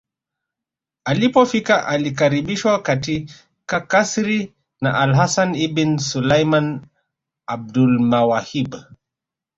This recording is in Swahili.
Alipofika alikaribishwa katika kasri la alHasan ibn Sulaiman AbulMawahib